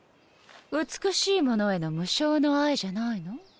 美しいものへの無償の愛じゃないの？